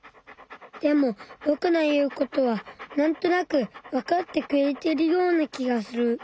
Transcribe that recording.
でもぼくの言うことはなんとなくわかってくれてるような気がする。